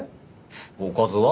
おかずは？